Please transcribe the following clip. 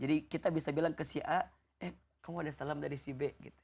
jadi kita bisa bilang ke si a eh kamu ada salam dari si b gitu